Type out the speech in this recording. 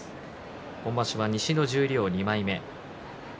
今場所は西の十両２枚目。